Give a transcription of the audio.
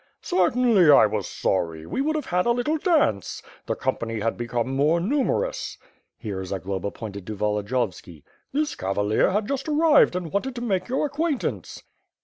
"Certainly, I was sorry. We would have had a little dance. The company had become more numerous." Here, Zagloba pointed to Volodiyovski. "This cavalier had just arrived and wanted to make your acquaintance."